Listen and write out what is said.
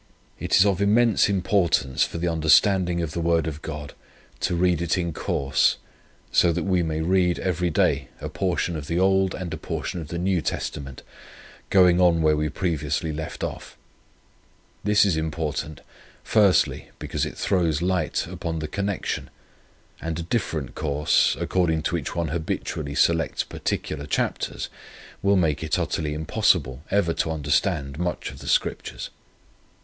It is of immense importance for the understanding of the word of God, to read it in course, so that we may read every day a portion of the Old and a portion of the New Testament, going on where we previously left off. This is important 1, Because it throws light upon the connection; and a different course, according to which one habitually selects particular chapters, will make it utterly impossible ever to understand much of the Scriptures.